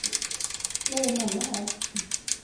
Vad gör mamma här?